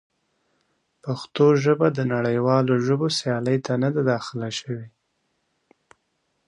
پښتو ژبه د نړیوالو ژبو سیالۍ ته نه ده داخله شوې.